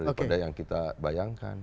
daripada yang kita bayangkan